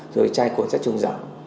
rồi chai cồn sắt trùng giỏm